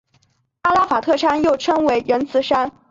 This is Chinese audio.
阿拉法特山又称为仁慈山。